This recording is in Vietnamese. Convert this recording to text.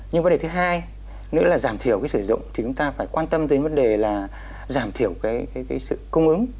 nhưng vấn đề thứ hai nữa là giảm thiểu cái sử dụng thì chúng ta phải quan tâm đến vấn đề là giảm thiểu cái sự cung ứng